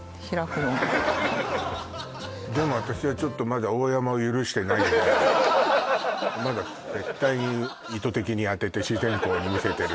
でも私はちょっと絶対意図的に当てて自然光にみせてる